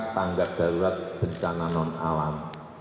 tanggap darurat bencana non alam